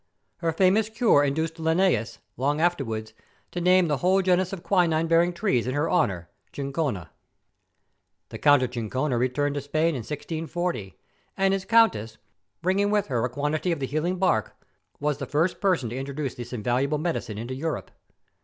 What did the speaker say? Her famous cure induced Linneus, long afterwards, to name the whole genus of quinine yielding trees in her honour, ' Chinchona.' The Count of Chinchon returned to Spain in 1640, and his Countess, bringing with her a quantity of the healing bark, was the first person to introduce this invaluable medicine into Europe.